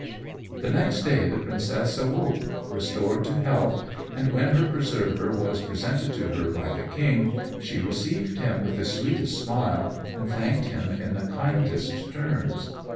The next day the princess awoke, restored to health; and when her preserver was presented to her by the king, she received him with the sweetest smile, and thanked him in the kindest terms.